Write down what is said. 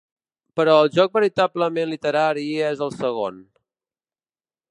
Però el joc veritablement literari és el segon.